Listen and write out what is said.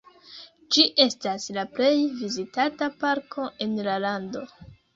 Ĝi estas la plej vizitata parko en la lando.